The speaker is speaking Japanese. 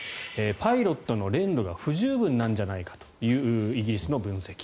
パイロットの練度が不十分なんじゃないかというイギリスの分析。